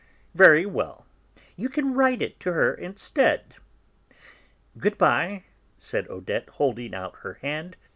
"Very well, you can write it to her instead." "Good bye," said Odette, holding out her hand.